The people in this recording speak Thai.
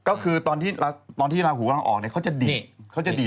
ก็คือตอนที่ราหูกำลังออกเนี่ยเขาจะดีดเขาจะดี